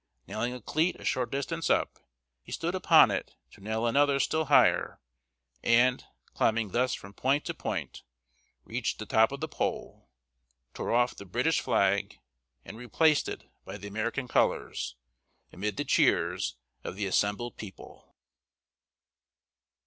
Nailing a cleat a short distance up, he stood upon it to nail another still higher, and, climbing thus from point to point, reached the top of the pole, tore off the British flag, and replaced it by the American colors, amid the cheers of the assembled people!